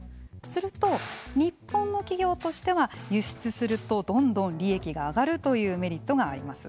すると、日本の企業としては輸出するとどんどん利益が上がるというメリットがあります。